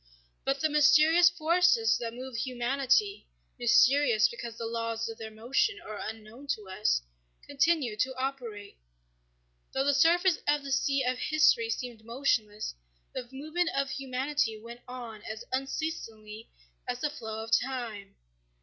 But the mysterious forces that move humanity (mysterious because the laws of their motion are unknown to us) continued to operate. Though the surface of the sea of history seemed motionless, the movement of humanity went on as unceasingly as the flow of time.